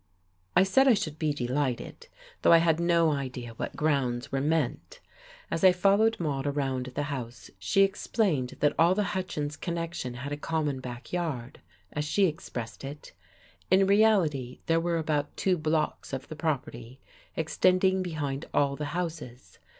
I said I should be delighted, though I had no idea what grounds were meant. As I followed Maude around the house she explained that all the Hutchins connection had a common back yard, as she expressed it. In reality, there were about two blocks of the property, extending behind all the houses.